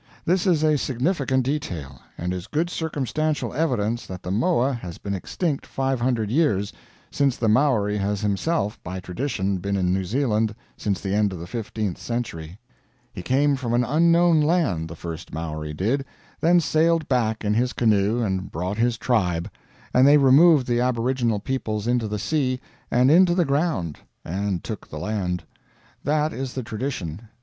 This is a significant detail, and is good circumstantial evidence that the moa has been extinct 500 years, since the Maori has himself by tradition been in New Zealand since the end of the fifteenth century. He came from an unknown land the first Maori did then sailed back in his canoe and brought his tribe, and they removed the aboriginal peoples into the sea and into the ground and took the land. That is the tradition.